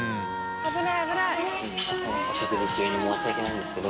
お食事中に申し訳ないんですけど。